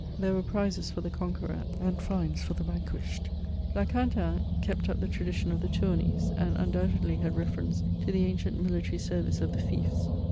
There were prizes for the con queror, and fines for the vanquished. La Quintaine '* kept up the tradition of the Tourneys ; and undoubtedly had reference to the anci^t mihtory service of the fiefs.